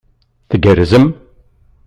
Tgerrzem?